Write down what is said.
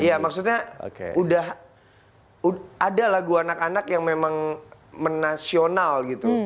iya maksudnya udah ada lagu anak anak yang memang menasional gitu